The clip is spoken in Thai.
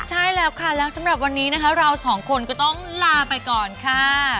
ใช่แล้วค่ะแล้วสำหรับวันนี้นะคะเราสองคนก็ต้องลาไปก่อนค่ะ